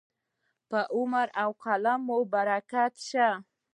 پر عمر او قلم مو برکت شه.